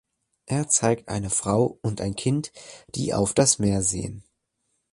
Es zeigt eine Frau und ein Kind, die auf das Meer sehen.